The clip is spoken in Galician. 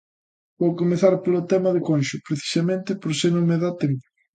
Vou comezar polo tema de Conxo, precisamente por se non me dá tempo.